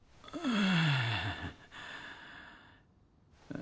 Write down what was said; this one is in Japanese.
あ。